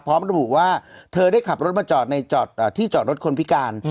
พร้อมระบุว่าเธอได้ขับรถมาจอดในที่จอดรถคนพิการ